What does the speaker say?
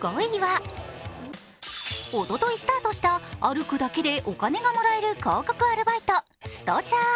おとといスタートした歩くだけでお金がもらえる広告アルバイト、Ｓｔｃｈａｒ！